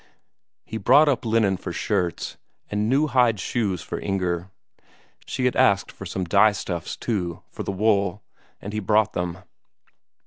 He brought up linen for shirts, and new hide shoes for Inger. She had asked for some dye stuffs, too, for the wool, and he brought them.